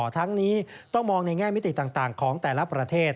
ทั้งนี้ต้องมองในแง่มิติต่างของแต่ละประเทศ